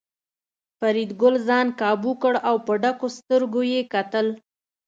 فریدګل ځان کابو کړ او په ډکو سترګو یې کتل